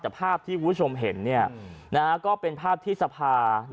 แต่ภาพที่คุณผู้ชมเห็นก็เป็นภาพที่สภา